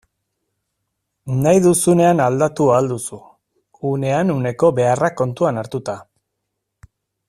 Nahi duzunean aldatu ahal duzu, unean uneko beharrak kontuan hartuta.